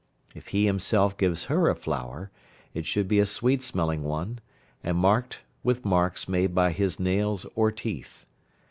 If he himself gives her a flower it should be a sweet smelling one, and marked with marks made by his nails or teeth.